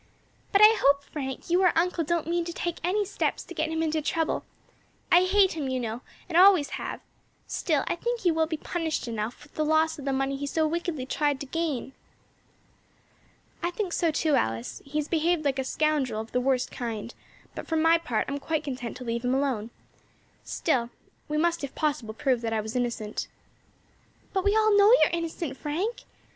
But I hope, Frank, you or uncle don't mean to take any steps to get him into trouble. I hate him, you know, and always have; still, I think he will be punished enough with the loss of the money he so wickedly tried to gain." "I think so too, Alice; he has behaved like a scoundrel of the worst kind, but, for my part, I am quite content to leave him alone. Still, we must if possible prove that I was innocent." "But we all know you are innocent, Frank.